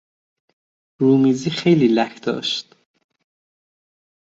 رومیزی خیلی لک داشت.